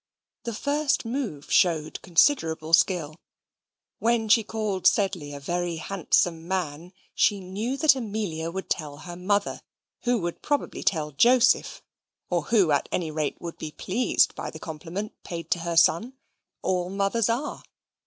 The first move showed considerable skill. When she called Sedley a very handsome man, she knew that Amelia would tell her mother, who would probably tell Joseph, or who, at any rate, would be pleased by the compliment paid to her son. All mothers are.